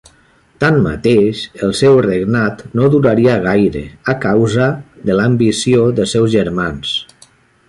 Tanmateix, el seu regnat no duraria gaire, a causa de l'ambició dels seus germans.